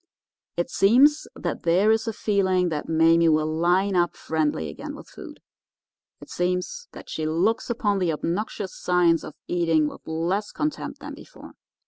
It seems that there is a feeling that Mame will line up friendly again with food. It seems that she looks upon the obnoxious science of eating with less contempt than before.